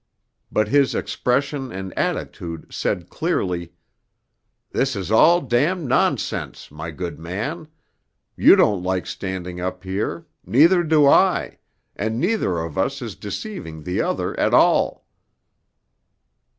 But his expression and attitude said clearly: 'This is all damned nonsense, my good man; you don't like standing up here, neither do I, and neither of us is deceiving the other at all.'